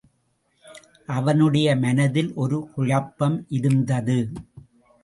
அவனுடைய மனதில் ஒரு குழப்பம் இருந்தது.